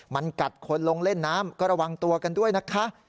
มันกัดคนลงเล่นน้ำก็ระวังตัวกันด้วยนะคะ